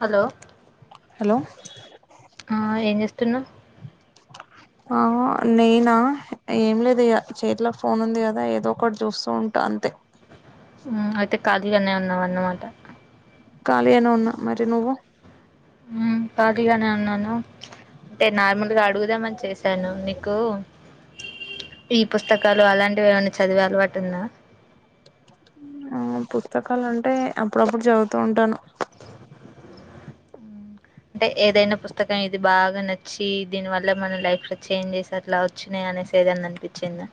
Hello hello ఆ ఏం చేస్తున్నావు ఆ నేనా ఏం లేదు ఇగ చేతిలో ఫోన్ ఉంది కదా ఏదో ఒకటి చూస్తూ ఉంటా అంతే ఉమ్ అయితే ఖాళీగానే ఉన్నావ అన్నమాట ఖాళీ అనే ఉన్నా మరి నువ్వు మ్ కాళీగానే ఉన్నాను అంటే నార్మల్గా అడుగుదామని చేశాను నీకు ఈ పుస్తకాలు అలాంటివి ఏమైనా చదివే అలవాటు ఉందా ఆ పుస్తకాలు అంటే అప్పుడప్పుడు చదువుతూ ఉంటాను టే ఏదైనా పుస్తకం ఇది బాగా నచ్చి దీని వల్ల మన లైఫ్ లో చేంజెస్ అట్లా వచ్చినాయ ఐతే ఏదన్న అన్పిచిందా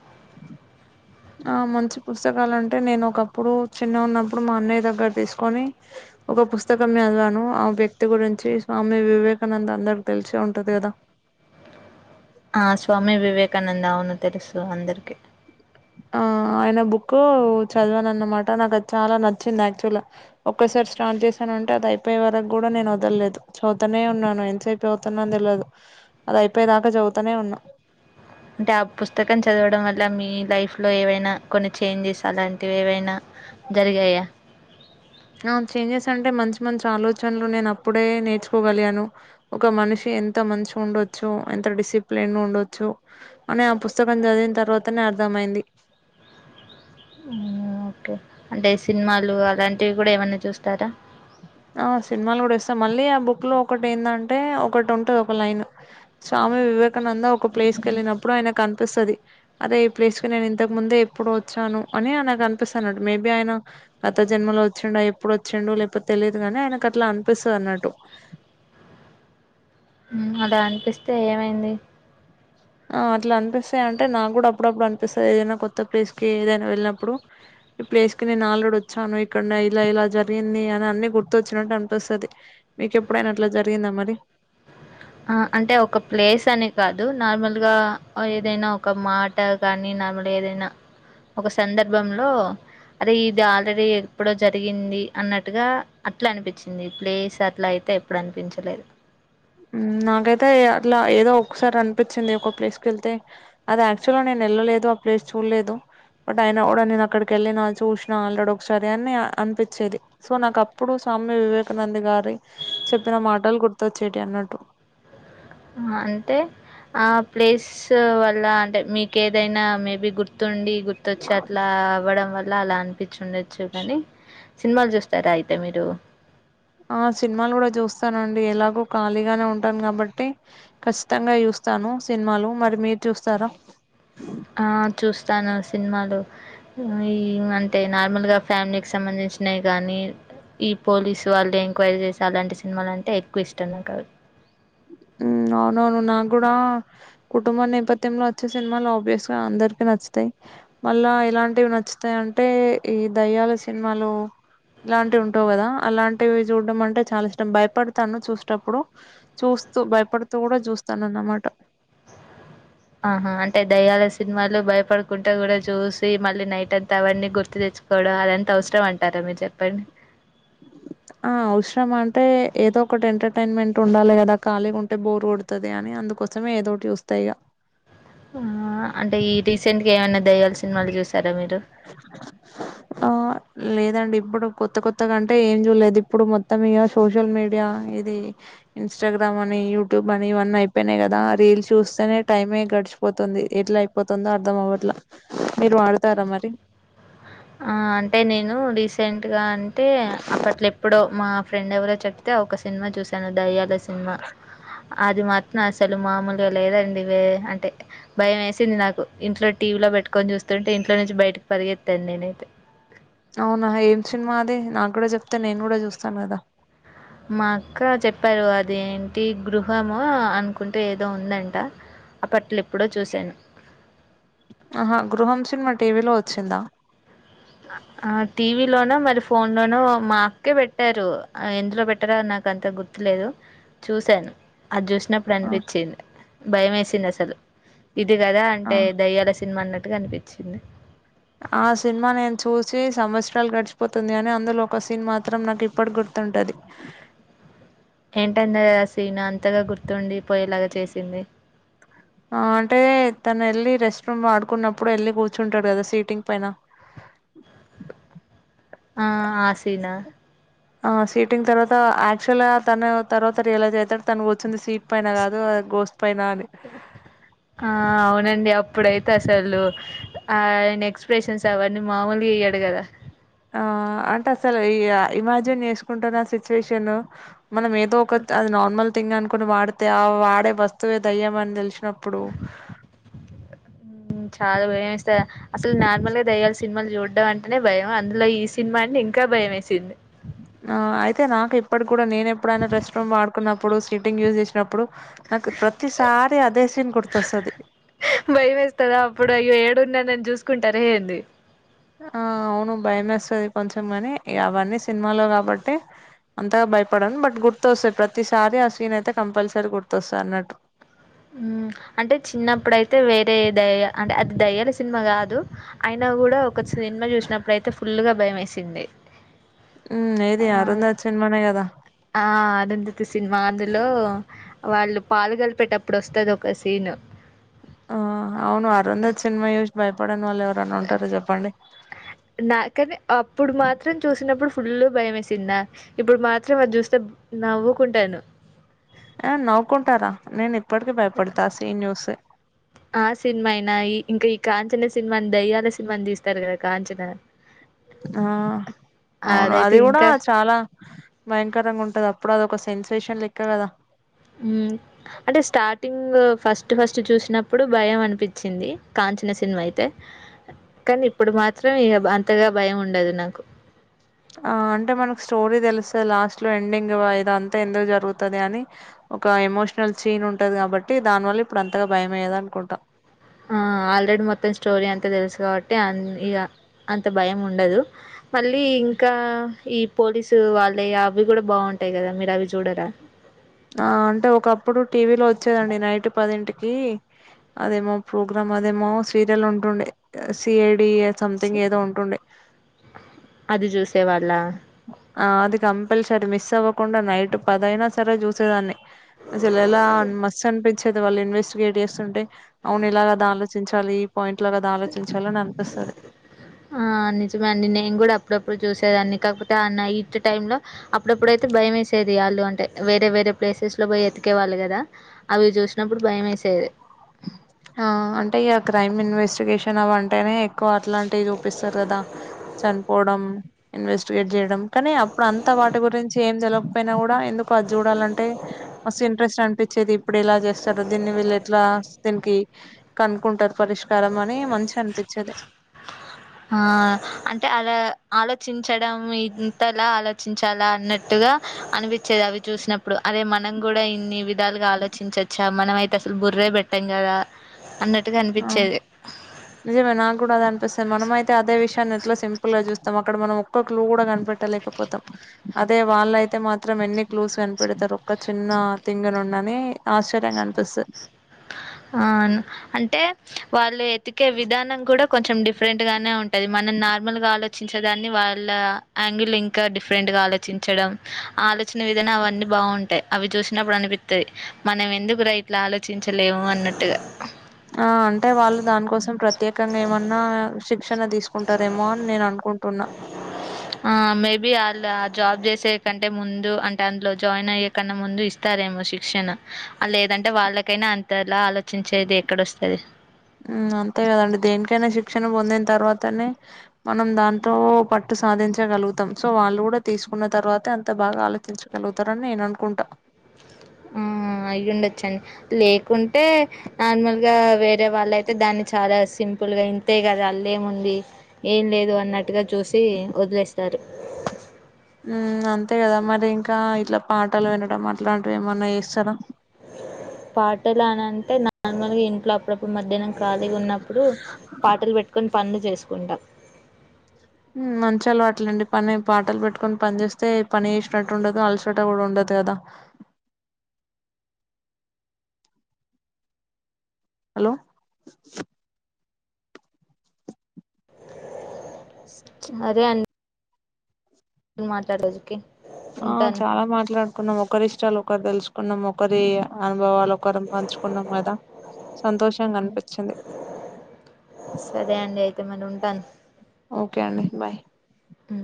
ఆ మంచి పుస్తకాలు అంటే నేను ఒకప్పుడు చిన్న ఉన్నప్పుడు మా అన్నయ్య దగ్గర తీసుకొని ఒక పుస్తకందివాను ఆ వ్యక్తి గురించి స్వామి వివేకానంద అందరి తెలిసి ఉంటది కదా ఆ స్వామి వివేకానంద్ అవును తెలుసు అందరికిీ ఆ ఆయన బుక్ చదివాను అన్నమాట నాకుది చాలా నచ్చింది యాక్చువల్ గా ఒక్కసారి స్టార్ట్ చేశాను అంటే అది అయిపోయ వరకు కూడా నేను వదలేదు చూద్దనే ఉన్నాను ఎంతసైపు అవుతున్నా అని తెలిదు అది అయిపో చెప్పేదాకా చదువుతానే ఉన్నా అంటే ఆ పుస్తకం చదవడం వల్ల మీ లైఫ్ లో ఏవైనా కొన్ని చేంజెస్ అలాంటివి ఏవైనా జరిగాయా ఆ చేంజెస్ అంటే మంచి మంచి ఆలోచనలు నేను అప్పుడే నేర్చుకోగలిగాను ఒక మనిషి ఎంత మంచి ఉండొచ్చు ఎంత డిసిప్లిన్ ఉండొచ్చు అని ఆ పుస్తకం చదివిన తర్వాతనే అర్థమైంది ఓకే అంటే సినిమాలు అలాంటివి కూడా ఏమన్నా చూస్తారా ఆ సినిమాలు కూడా ఇస్తాం మళ్ళీ ఆ బుక్ లో ఒకటి ఏందంటే ఒకటి ఉంటది ఒక లైన్ స్వామి వివేకానంద ఒక ప్లేస్ క వెళ్ళినప్పుడు ఆయన క అనిపిస్తుంది అదే ఈ ప్లేస్ కి నేను ఇంతకు ముందే ఎప్పుడు వచ్చాను అని నాకు అనిపిస్తున్నట్టు మేబి ఆయన గత జన్మలో వచ్చిండు ఎప్పుడు వచ్చాండు లేకపోతే తెలియదు కాగానీ ఆయనకు అట్లా అనిపిస్తుంది అన్నట్టు అలా అనిపిస్తే ఏమైంది ఆ అట్లా అనిపిస్తాయి అంటే నాకు కూడా అప్పుడప్పుడు అనిపిస్తంది ఏదైనా కొత్త ప్లేస్ కి ఏదైనా వెళ్ళినప్పుడు ఈ ప్లేస్ కి నేను ఆల్డు వచ్చాను ఇక్కడ ఇలా ఇలా జరిగింది అని అన్న గుర్తొచ్చినట్టు అనిపిస్తుది మీకెప్పుడైనా అట్లా జరిగిందా మరి ఆ అంటే ఒక ప్లేస్ అని కాదు నార్మల్ గా ఏదైనా ఒక మాట కాని ఏదైనా ఒక సందర్భంలో అరే ఇది ఆల్రెడీ ఎప్పుడో జరిగింది అన్నట్టుగా అట్లా అనిపించింది ప్లేస్ అట్లా అయితే అే ఎప్పుడు అనిపించలేదు నాకైతే అట్లా ఏదో ఒకసారి అనిపించింది ఒక ప్లేస్ క వెళ్తే అది యాక్చువల్గా నేను తెళ్లలేదు ఆ ప్లేస్ చూడలేదు బట్ అయిన కూడా నేను అక్కడికి వెళ్ళిన చూసినా ఆలడ ఒకసారి అని అనిపించేది సో నాకు అప్పుడు స్వామి వివేకానంద గారి చెప్పిన మాటలు గుర్తొచ్చేటి అన్నట్టు అంటే ఆ ప్లేస్ వల్ల అంటే మీకు ఏదైనా మేబి గుర్ గుతుండి గుర్తొచ్చి అట్లా అవ్వడం వల్ల అలా అనిపించిండచ్చు కానీ సినిమాలు చూస్తారా అయితే మీరు ఆ సినిమాలు కూడా చూస్తానండి ఎలాగూ ఖాళీగానే ఉంటాను కాబట్టి ఖచ్చితంగా చూ స్తాను సినిమాలు మరి మీరు చూస్తారా ఆ చూస్తాను సినిమాలు ఈ అంటే నార్మల్ గా ఫ్యామిలీకి సంబంధించి వచ్చినాయి కానీ ఈ పోలీసు వాళ్ళు ఎంక్వైరీ చేసిే అలాంటి సినిమాలుంటే ఎక్కువ ఇష్టం నా కా అవునవును నా కూడా కుటుంబ నేపథ్యంలో వచ్చే సినిమాలు ఆబ్వియస్ గా అందరు చెపి నచ్చుతాయి మళ్ళా ఇలాంటివి నచ్చుతాయి అంటే ఈ దయ్యాల సినిమాలు ఇలాంటివి ఉంటవ్ కదా అలాంటివి చూడ్డం అంటే చాలా ఇష్టం. భయపడ్తాను చూసేప్పుడు చూస్ స్తూ భయపడుతూ గుడా చూస్తానన్నమాట. ఆహా అంటే దయ్యాల సినిమాలు భయపడుకుంట గుడా చూసి మళ్ళీ నైట్ అంతా అవన్నీ గుర్తు తెచ్ చ్చుకోడం అదంత అవసరం అంటారా మీరు చెప్పండి. ఆ అవసరం అంటే ఏదో ఒకటి ఎంటర్టైన్మెంట్ ఉండాలె గదా ఖాళీగుంటే బోర్ కొడుతది అని అ అందుకోసమే ఏదోటి చూస్తా ఇగ ఆ అంటే ఈ రీసెంట్గా ఏమైన్న దయ్యాల్ సినిమాల్ చూస్ ఆ లేదండి ఇప్పుడు కొత్త కొత్తగా అంటే ఏం చూడ్లేదు ఇప్పుడు మొత్తం ఇగ సోషల్ మీడియా ఇది ఇంస్టాగ్రామ్ అని యూట్యూబ్ అని ఇవన్నీ అయిపోయినై గదా రీల్ చూస్తేనే టైమే గడిచిపోతుంది. ఎట్లా అయిపోతుందో అర్ధం అవ్వట్ల మీరు వాడతారా మరి ఆ అంటే నేను రీసెంట్గా అన్ టే అప్పట్లో ఎప్పుడో మా ఫ్రెండ్ ఎవరో చెప్తే ఒక సినిమా చూస్ సాను దయ్యాల సినిమా అది మాత్రం అసలు మామూలుగా లేదండి వే అంటే భయం వేసింది నాకు ఇంట్లో టీవీలో పెట్టుకోన్ చూస్తుంటే ఇంట్లో నుంచి బయటకి పరిగెత్తాన్ నేనైతే అవునా ఏం సినిమా అది నాకు గుడా చెప్తే నేను కూడా చూస్తాను కదా మా అక్క చెప్పారు అది ఏంటి గృహము అనుకుంట ఏదో ఉందంట. అప్పట్లెప్పుడో చూశాను. అహ గృహం సినిమా టీవీలో వచ్చిందా? ఆ టీవీలోనో మరి ఫోన్లోనో మా అక్కే పెట్టారు ఎందులో పెట్టారో నాక్ కంత గుర్తులేదు చూశాను. అది చూసినప్పుడు ఆ అనిపిచ్చింది భయం ఏసింది అసలు ఇది గదా ఆ. అంటే దయ్యాల సినిమా అన్నట్టు అనిపిచ్చింది. ఆ సిన్మా నేన్ చూసి సంవత్సరాల్ గడిచిపోతుంది గని అందులో ఒక సీన్ మాత్రం నాక్ ఇప్పటిక్ గుర్ ర్తుంటది. ఏంటంద ఆ సీన్ అంతగ గుర్తుండిపోయేలాగా చేసింది ఆ అంటే తనెల్లి రెస్ట్ రూమ్ వాడుకున్నప్పుడు వెళ్ళి కూర్చుంటడు కదా సీటింగ్ పైన ఆ ఆ సినా ఆ సీటింగ్ తర్వాత యాక్చువల్గా తను తర్వాత రియలైజ్ అయితడు తను కూర్చుంది సీట్ పైన కాదు గోస్ ఆ అవునండి. అప్పుడై తే అసలు ఆ ఆయన ఎక్స్ప్రెషన్స్ అవన్నీ మామూల్గా ఇయ్యడు కదా ఆ అంటే అసలు ఈ ఇమాజిన్ చేస్కుంటున్న సిచ్యువేషన్ మనం ఏదో ఒక అది నార్మల్ థింగ్ అనుకొని వాడితే ఆ వాడే వస్తువే దయ్యమన్ తెలి నప్పుడు చాలా భయమేస్త అసల్ నార్మల్గా దయ్యాల సినిమాల్ చూడ్డం అంటేనే భయం అందులో ఈ సినిమా అంటే ఇంకా భయమేసింది. ఆ అయితే నాకిప్పట్ గుడా నేనెప్పుడైనా రెస్ట్ రూమ్ వాడుకున్నప్పుడు సీటింగ్ యూజ్ చేసినప్పుడు నాకు ప్రతిసారి అదే సీన్ గుర్తొస్తది. భయమేస్తదా అప్పుడు అయ్యో ఏడున్న నేన్ చూస్కుంటరా ఏంది ఆ అవును భయమేస్తది కొంచం గనీ ఇగ అవన్నీ సినిమాలో కాబట్టి అంతగా భయపడన్ బట్ గుర్తొస్తయి ప్రతిసారి ఆ సీన్ అయితే కంపల్సరీ గుర్తొస్తద్ అన్నట్టు. అంటే చిన్నప్పుడైతే వేరే దయ అంటే అది దయ్యాల సినిమా కాదు అయినా గుడా సినిమా చూసినప్పుడైతే ఫుల్గా భయమేసింది. మ్ ఏది అరుంధ సిన్మానే గదా ఆ అదంతతి సినిమా అందులో వాళ్ళు పాలుగలిపేటప్పుడు వస్తది ఒక సీన్ ఆ అవును అరందజ సినిమా ోజ్ భయపడ్ నాకని అప్పుడు మాత్రం చూసినప్పుడు ఫుల్ భయమేసింద ఇప్పుడు మాత్రం అది చూస్తే నవ్వుకుంటాను ఆ నవకుంటారా నేని ఆ సినిమా అయినా ఇంకా కాంచన సినిమా అని దయ్యాల సినిమా అని తీస్తారు కదా కాంచనా ఆ అవును అది అదైతే కూడా ఇంకా చాలా భయంకరంగా ఉంటది అప్పుడు అద ఒక సెన్సేషన్ లెక్క కదా మ్ అంటే స్టార్టింగ్ ఫస్ట్ ఫస్ట్ చూసినప్పుడు భయం అనిపించింది కాంచిన సినిమా అయితే కానీ ఇప్పుడు మాత్రే ఇగ అంతగా భయం ఉండదు నాకు ఆ అంటే మనకు స్టోరీ తెలుస లాస్ట్ లో ఎండింగ్ ఇద అంతా ఎందుకు జరుగుతుది అని ఒక ఎమోషనల్ సీన్ ఉంటది కాబట్టి దాని వల్ల ఇప్పుడు అంతగా భయం అయ్యేద అనుకుంటాం ఆ ఆల్రెడీ మొత్తం స్టోరీ అంత తెలుసు కాబట్టి ఆన్ ఇగ అంత భయం ఉండదు మళ్ళీ ఇంకా ఈ పోలీసు వాళ్ళే అవి కూడా బాగుంటాయి కదా మీరు అవి చూడరా ఆ అంటే ఒకప్పుడు టీవీ లో వచ్చేదండి నైట్ పదింటికి అదేమో ప్రోగ్రామ్ మదమో సీరియల్ ఉంటుండే సిఐ డి సి సంథంగ్ ఏదో ఉంటుండే స్తేవాళ ఆ అది కంపల్సరీ మిస్ అవ్వకుండా నైట్ పదైనా సరే చూసేదాన్ని సలలా మస్న్ పోయి వచ్చేతే వాళ్ళు ఇన్వెస్టిగేట్ చేస్తుంటే అవును ఇలాగా ఆలోచించాలి పాయింట్ లో కదా ఆలోచించాలని అనిపిస్తది ఆ నిజమే అండి నేను కూడా అప్పుడప్పుడు చూసేదాన్ని కాకపోతే అ నైటు టైం లో అప్పుడప్పుడైతే భయం వేసేది వాళ్ు అంటే వేరే వేరే ప్లేసెస్ లో పోయ ఒకేవాళ్ళు కదా అవి చూసినప్పుడు భయం వేసేది ఆ అంటే ఇగ క్రైమ్ ఇన్వెస్టిగేషన్ అవ అంటేనే ఎక్కువ అట్లాంటివి చూపిస్తారు కదా చనిపోవడం ఇన్వెస్టిగేట్ చేయడం కానీ అప్పుడు అంతా వాటి గురించి ఏం తెలవకపోయినా కూడా డా ఎందుకొ అది చూడాలంటే మస్తు ఇంట్రెస్ట్ అనిపించేది ఇప్పుడు ఇలా చేస్తారు దీన్ని వీళ్ళు ఎట్లా దీనికి కనుక్కుంటారు పరిష్కారం అని మంచి అనిపించేది హ అంటే అలా ఆలోచించడం ఇంతలా ఆలోచించాలా అన్నట్టుగా ర అనిపించేది అవి చూసినప్పుడు అదే మనం కూడా ఇన్ని విధాలుగా ఆలోచించచ్చా మనం అయితే అసలు గుర్రే పెట్టాం కదా అన్నట్టు ఆ నిజమే నాకు కూడా అద అనిపిస్తయి మనమ అయితే అదే విషయాన్ని ఇట్లా సింపుల్ గా చూస్తాం అక్కడ మనం ఒక్కొ కలు కూడా కనిపెట్టలేకపోతాం అదే వాళ్ళ అయితే మాత్రం ఎన్ని ్లూస్ కనిపెడతారు ఒక చిన్న తింగ నుంని ఆశ్చర్యంగా కనిపిస్తుంది అవును అంటే వాళ్ళు ఎతికే విధానం కూడా కొంచెం డిఫరెంట్ గానే ఉంటది మనం నార్మల్ గా ఆలోచించేదాన్ని వాళ్ళ ంగిల్ ఇంకా డిఫరెంట్ ఆలోచించడం ఆలోచన విధనా అవన్నీ బావుంటాయి అవి చూసినప్పుడు అనిపిస్తది మనం ఎందు [unintelligible] ఇట్లా ఆలోచించలేము అన్నట్టుగా ఆ అంటే వాళ్ళు దానికోసం ప్రత్యేకంగా ఏమన్నా శిక్ష న తీసుకుంటారేమో అని నేను అనుకుంటున్నా ఆ మేబీ ఆళ్ళు ఆ జాబ్ చేసే కంటే ముందు అంటే అందులో జాయిన్ అయ్యేకన్న ముందు ఇస్తారేమో శిక్షణ ఆ లేదంటే వాళ్ళకైనా అంతేలా ఆలోచించేది ఎక్కడొస్తది ఉమ్ అంతే కదండి దేనికైనా శిక్షణ పొందిన తర్వాతనే మనం దాంతో పట్టు సాధించగలుగుతాం సో వాళ్ళు కూడా తీసుకున్న తర్వాతే అంత బాగా ఆలోచించగలుగుతారని నేను అనుకుంటా ఉమ్ ఆ అయ్యుండొచ్చు లేకుంటే నార్మల్గా వేరే వాళ్ళయితే దాన్ని చాలా సిం సింపుల్గా ఇంతే కద అల్ ఏముంది ఏం లేదు అన్నట్టుగా చూసి వదిలేస్తారు. ఉమ్ అంతే కదా మరి ఇంకా ఇట్లా పాటాలు వినడం అట్లాంటిం ఏమన్నా చేస్తారా పాటలు అని అంటే నార్మల్గా ఇంట్లో అప్పుడప్పుడు మధ్యాహ్నం ఖాళీగా ఉన్నప్పుడు పాటలు పెట్టుకొని పనులు చేసుకుంటా మంచలవాటలండి పని పాటలు పెట్టుకొని పని చేస్తే పని చేసినట్టు ఉండదు అలసిన ఇడ ఉండది అదా హలో అదే అం అను మాట్లాడజుకి ఆ చాలా మాట్లాడుకున్నాం ఒకరి ఇష్టాలు ఒకరు తెలుసుకున్నాం ఒకరి అనుభవాలు ఒకరం పంచుకున్నాం కదా సంతోషంగా హ్మ్. అనిపించింది సరే అండి అయితే మరి ఉంటాను. ఓకే అండి బాయ్ అ